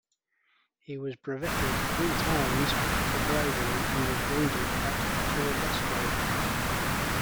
He was brevetted three times for bravery and was wounded at Churubusco.